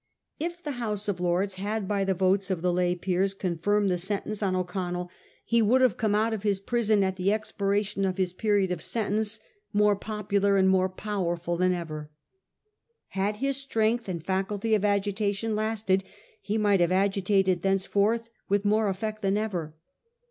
If the House of Lords had, by the votes of the lay peers, confirmed the sentence on 1844 YOUNG IRELAND. 299 O'Connell, lie would have come out of his prison at the expiration of his period of sentence more popular and more powerful than ever. Had his strength and faculty of agitation lasted, he might have agitated thenceforth with more effect than ever.